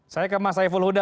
saya ke mas saiful huda